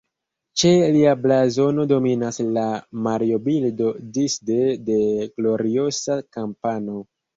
Ĉe lia blazono dominas la Mario-bildo disde la Gloriosa-kampano.